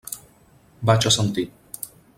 Vaig assentir.